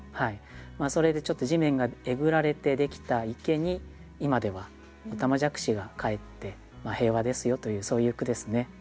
それでちょっと地面がえぐられてできた池に今ではおたまじゃくしがかえって平和ですよというそういう句ですね。